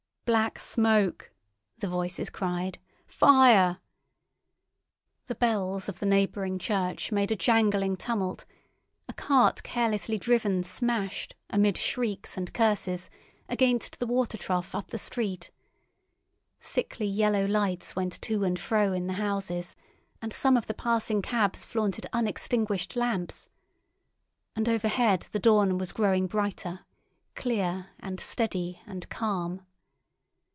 "Black Smoke!" the voices cried. "Fire!" The bells of the neighbouring church made a jangling tumult, a cart carelessly driven smashed, amid shrieks and curses, against the water trough up the street. Sickly yellow lights went to and fro in the houses, and some of the passing cabs flaunted unextinguished lamps. And overhead the dawn was growing brighter, clear and steady and calm.